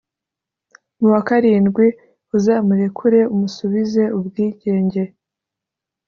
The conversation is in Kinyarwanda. mu wa karindwi uzamurekure umusubize ubwigenge.